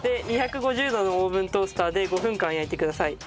２５０度のオーブントースターで５分間焼いてください。